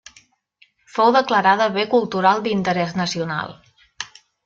Fou declarada bé cultural d'interès nacional.